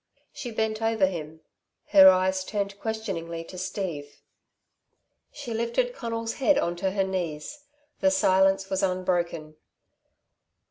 She bent over him; her eyes turned questioningly to Steve. She lifted Conal's head on to her knees. The silence was unbroken.